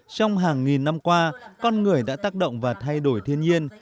trong hàng nghìn năm qua con người đã tác động và thay đổi thiên nhiên